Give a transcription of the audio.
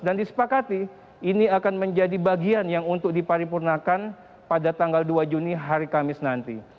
disepakati ini akan menjadi bagian yang untuk diparipurnakan pada tanggal dua juni hari kamis nanti